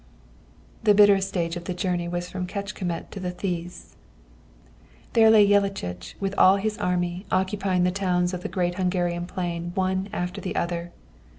Ha, ha, ha! The bitterest stage of the journey was from Kecskemet to the Theiss. There lay Jellachich, with all his army, occupying the towns of the great Hungarian plain one after the other.